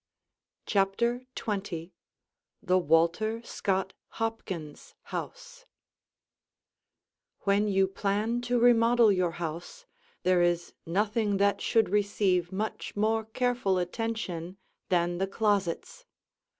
CHAPTER XX THE WALTER SCOTT HOPKINS HOUSE When you plan to remodel your house, there is nothing that should receive much more careful attention than the closets.